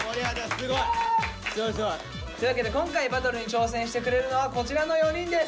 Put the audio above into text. すごいすごい。というわけで今回バトルに挑戦してくれるのはこちらの４人です。